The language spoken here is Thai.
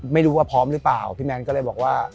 ไม่รู้ว่าพร้อมหรือเปล่าพี่แมนก็เลยบอกว่า